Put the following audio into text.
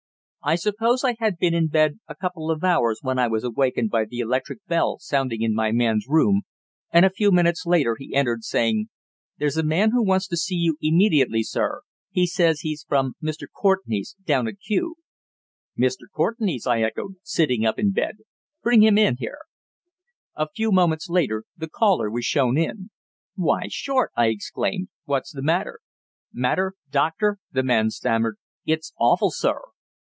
I suppose I had been in bed a couple of hours when I was awakened by the electric bell sounding in my man's room, and a few minutes later he entered, saying: "There's a man who wants to see you immediately, sir. He says he's from Mr. Courtenay's, down at Kew." "Mr. Courtenay's!" I echoed, sitting up in bed. "Bring him in here." A few moments later the caller was shown in. "Why, Short!" I exclaimed. "What's the matter?" "Matter, doctor," the man stammered. "It's awful, sir!"